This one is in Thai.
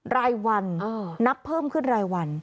รายวันนับเพิ่มขึ้นรายวัน